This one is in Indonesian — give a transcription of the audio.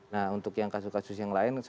nah untuk yang kasus kasus yang lain